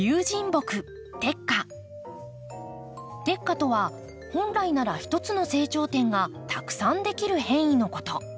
「綴化」とは本来なら一つの成長点がたくさんできる変異のこと。